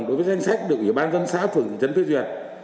đối với danh sách được ủy ban dân xã phường thị trấn phê duyệt